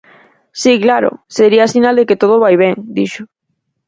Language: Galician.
Si, claro, sería sinal de que todo vai ben, dixo.